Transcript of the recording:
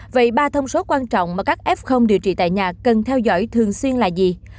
vậy ba thông số quan trọng mà các f điều trị tại nhà cần theo dõi thường xuyên là gì